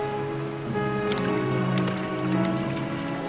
お！